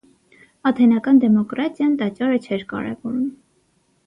Աթենական դեմոկրատիան տաճարը չէր կարևորում։